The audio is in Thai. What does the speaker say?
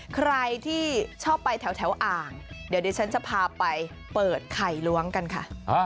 ใครที่ชอบไปแถวอ่างเดี๋ยวดิฉันจะพาไปเปิดไข่ล้วงกันค่ะ